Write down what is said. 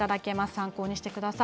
参考にしてください。